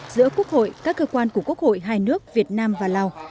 giữa quốc hội các cơ quan của quốc hội hai nước việt nam và lào